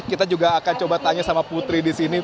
kita juga akan coba tanya sama putri di sini